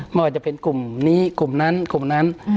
ไม่ว่าจะเป็นกลุ่มนี้กลุ่มนั้นกลุ่มนั้น